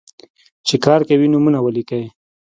چې کار کوي، نومونه ولیکئ.